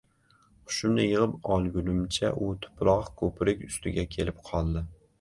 Hushimni yig‘ib olgunimcha u tuproq ko‘prik ustiga kelib qoldi.